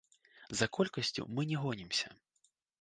За колькасцю мы не гонімся.